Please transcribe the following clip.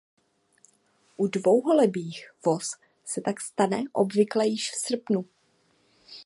U dlouholebých vos se tak stane obvykle již v srpnu.